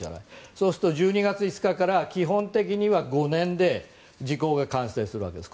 そうすると１２月５日から基本的には５年で時効が完成するわけです。